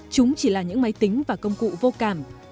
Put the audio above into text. chúng chỉ là những máy tính và công cụ vô cảm